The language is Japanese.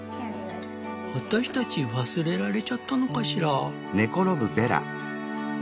「あたしたち忘れられちゃったのかしら？」。